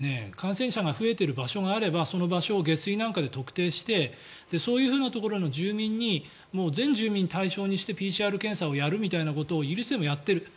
抑えるとなった時に例えばイギリスでも感染者が増えている場所があればその場所を下水なんかで特定してそういうふうなところの住民に全住民を対象にしてＰＣＲ検査をやるみたいなことをやってる。